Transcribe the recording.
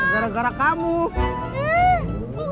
jadinya emang takutnya ngatur ngatur